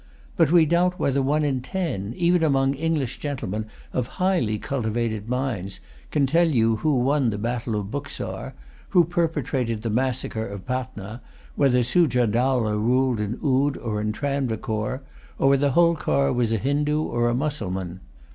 But we doubt whether one in ten, even among English gentlemen of highly cultivated minds, can tell who won the battle of Buxar, who perpetrated the massacre of Patna, whether Sujah Dowlah ruled in Oude or in Travancore, or whether Holkar was a Hindoo, or a Mussulman.